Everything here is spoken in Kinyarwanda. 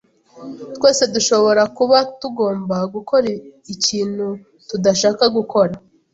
Twese dushobora kuba tugomba gukora ikintu tudashaka gukora.